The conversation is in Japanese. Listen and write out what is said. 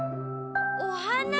おはな？